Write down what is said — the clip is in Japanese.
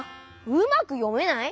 うまくよめない？